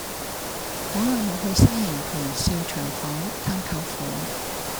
好耐無去西營盤兆祥坊探舅父